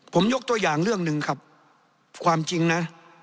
ผมยกตัวอย่างเรื่องหนึ่งครับความจริงนะ